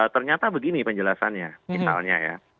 ternyata begini penjelasannya misalnya ya